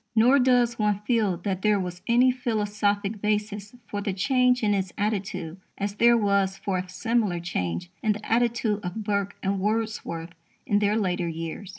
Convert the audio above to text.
Nor does one feel that there was any philosophic basis for the change in his attitude as there was for a similar change in the attitude of Burke and Wordsworth in their later years.